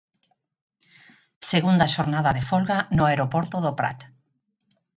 Segunda xornada de folga no aeroporto do Prat.